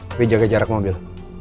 tapi jaga jarak mobil